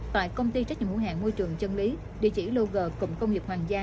tại công ty trách nhiệm hữu hạn môi trường chân lý địa chỉ lô g cụng công nghiệp hoàng gia